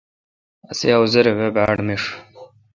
اسے اوزہ وے باڑ میݭ۔